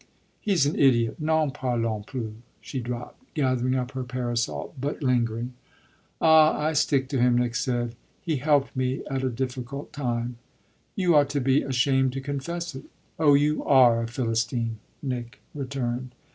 "He's an idiot n'en parlons plus!" she dropped, gathering up her parasol but lingering. "Ah I stick to him," Nick said. "He helped me at a difficult time." "You ought to be ashamed to confess it." "Oh you are a Philistine!" Nick returned.